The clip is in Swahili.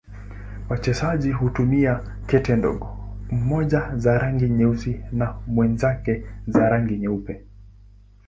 Wachezaji hutumia kete ndogo, mmoja za rangi nyeusi na mwenzake za rangi nyeupe.